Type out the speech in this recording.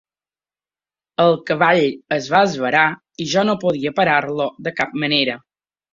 El cavall es va esverar i jo no podia parar-lo de cap manera.